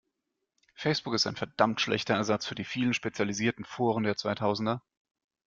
Facebook ist ein verdammt schlechter Ersatz für die vielen spezialisierten Foren der zweitausender.